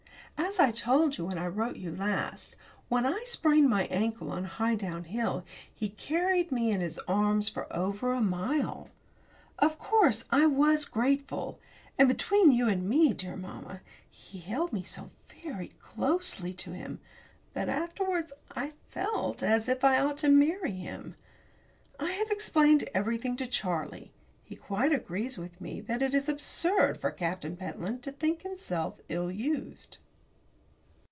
As I told you, when I wrote you last, when I sprained my ankle on Highdown Hill, he carried me in his arms for over a mile. Of course, I was grateful. And, between you and me, dear mamma, he held me so very closely to him, that, afterwards I felt as if I ought to marry him. I have explained everything to Charlie. He quite agrees with me that it is absurd for Captain Pentland to think himself ill used.